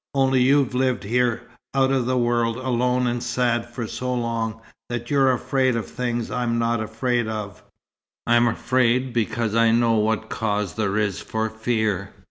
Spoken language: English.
Only you've lived here, out of the world, alone and sad for so long, that you're afraid of things I'm not afraid of." "I'm afraid because I know what cause there is for fear.